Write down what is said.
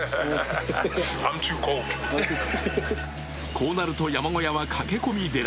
こうなると山小屋は駆け込み寺。